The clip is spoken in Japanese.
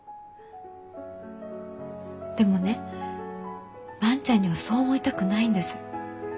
でもね万ちゃんにはそう思いたくないんです。